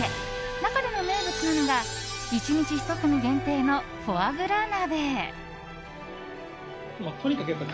中でも名物なのが１日１組限定のフォアグラ鍋。